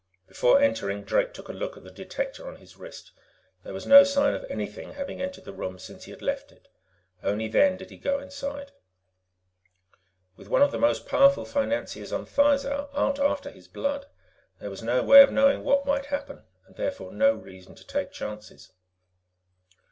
Before entering, Drake took a look at the detector on his wrist. There was no sign of anything having entered the room since he had left it. Only then did he go inside. With one of the most powerful financiers on Thizar out after his blood, there was no way of knowing what might happen, and therefore no reason to take chances.